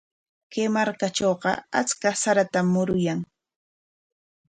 Kay markatrawqa achka saratam muruyan.